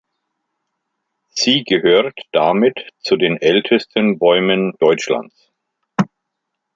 Sie gehört damit zu den ältesten Bäumen Deutschlands.